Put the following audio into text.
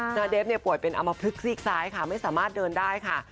หน้าเดฟเนี่ยเป็นอมพฤกษ์ซีกซ้ายค่ะไม่สามารถเดินได้ค่ะ